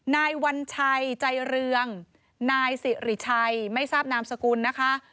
นายวัญชัยใจเรืองนายสิริชัยไม่ทราบนามสกุลนะคะ